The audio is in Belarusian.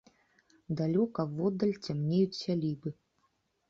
Далёка воддаль цямнеюць сялібы.